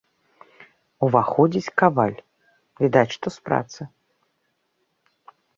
Уваходзіць каваль, відаць, што з працы.